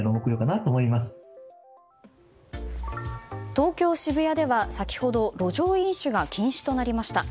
東京・渋谷では、先ほど路上飲酒が禁止となりました。